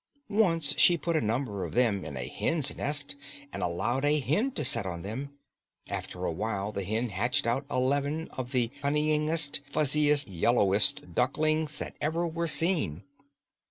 Once she put a number of them in a hen's nest, and allowed a hen to set on them. After a while the hen hatched out eleven of the cunningest, fuzziest, yellowest ducklings that ever were seen.